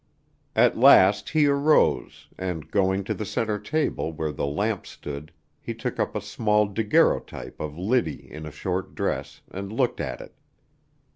At last he arose, and going to the center table, where the lamp stood, he took up a small daguerrotype of Liddy in a short dress, and looked at it.